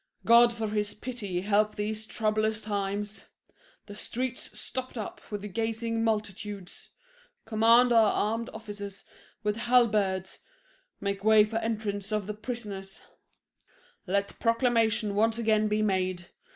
God for his pity help these troublous times! The streets stopped up with gazing multitudes: Command our armed officers with halberds Make way for entrance of the prisoners; Let proclamation once again be made.